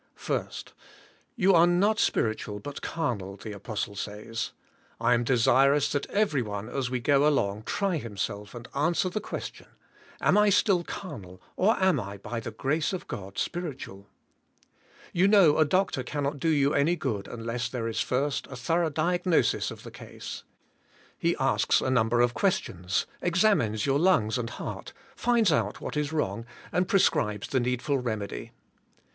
1. You are not spiritual but carnal, the apostle says. I am desirous that everyone as we g o along try himself and answer the question, "Am I still carnal, or am I by the grace of God spiritual?" You know a doctor cannot do jom any g ood unless there is first a thoroug h diagnosis of the case. He asks a number of questions, examines your lungs and heart, finds out what is wrong and prescribes the needful remedy.